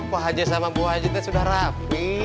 pak haji sama bu haji teh sudah rapi